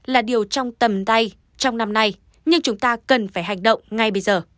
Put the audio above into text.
là điều trong tầm tay trong năm nay